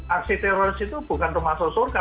aksi teroris itu bukan termasuk surga